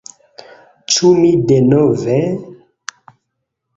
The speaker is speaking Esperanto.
Ĉu mi denove...